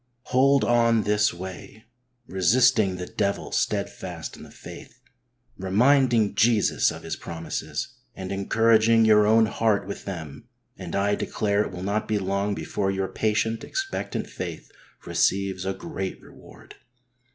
Hold on this way, resisting the devil steadfast in the faith, reminding Jesus of His promises and encouraging your own heart with them, and I declare it will not be long before your patient, expectant faith receives a great reward.